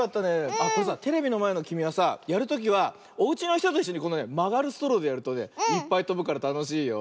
あっこれさテレビのまえのきみはさやるときはおうちのひとといっしょにこのねまがるストローでやるとねいっぱいとぶからたのしいよ。